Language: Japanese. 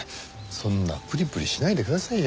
そんなプリプリしないでくださいよ。